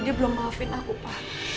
dia belum maafin aku pak